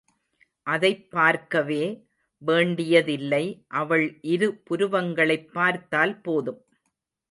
அதைப் பார்க்கவே வேண்டியதில்லை அவள் இரு புருவங்களைப் பார்த்தால்போதும்.